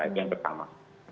itu yang pertama